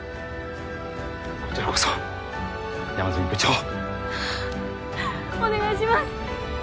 こちらこそ山住部長お願いします